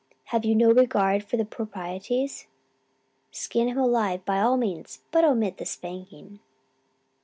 "Have you no regard for the proprieties? Skin him alive by all means but omit the spanking."